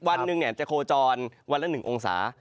วันหนึ่งจะโคจรวันละ๑องศา